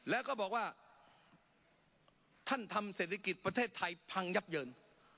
แล้วก็บอกว่าท่านทำเศรษฐกิจประเทศไทยพังยับเยิน